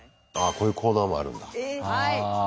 こういうコーナーもあるんだ。